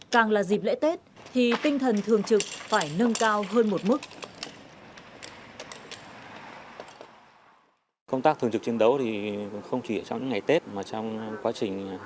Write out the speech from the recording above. càng là dịp lễ tết thì tinh thần thường trực phải nâng cao hơn một mức